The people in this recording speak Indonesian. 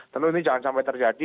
tentu ini jangan sampai terjadi